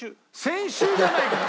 先週じゃないから！